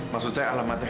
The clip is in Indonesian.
maksud saya alamatnya